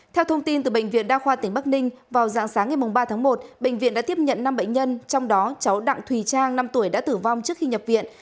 theo thông tin từ bệnh viện đa khoa tỉnh bắc ninh vào dạng sáng ngày ba tháng một bệnh viện đã tiếp nhận năm bệnh nhân trong đó cháu đặng thùy trang năm tuổi đã tử vong trước khi nhập viện